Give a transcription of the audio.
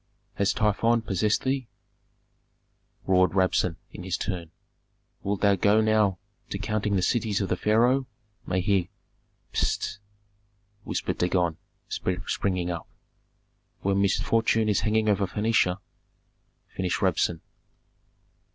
"Has Typhon possessed thee?" roared Rabsun, in his turn. "Wilt thou go now to counting the cities of the pharaoh, may he " "Pst!" whispered Dagon, springing up. "When misfortune is hanging over Phœnicia " finished Rabsun.